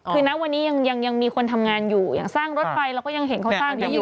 คือนะวันนี้ยังมีคนทำงานอยู่อย่างสร้างรถไฟเราก็ยังเห็นเขาสร้างนี้อยู่